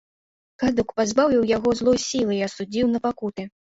Кадук пазбавіў яго злой сілы і асудзіў на пакуты.